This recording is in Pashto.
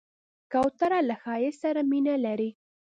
کوتره له ښایست سره مینه لري.